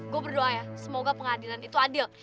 gue berdoa ya semoga pengadilan itu adil